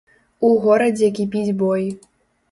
У горадзе кіпіць бой.